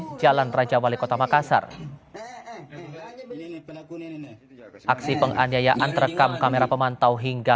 di jalan raja wali kota makassar aksi penganiayaan terekam kamera pemantau hingga